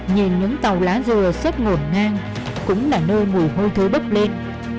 nhìn những tàu lá dừa xuất ngổn ngang cũng là nơi mùi hôi thứ bấp lên